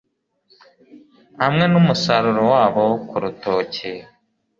Hamwe numusaruro wabo kurutoki